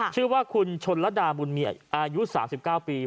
ชื่อว่าคุณชนระดาบุญมีอายุ๓๙ปี